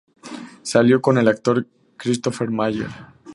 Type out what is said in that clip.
Salió con el actor Christopher Mayer.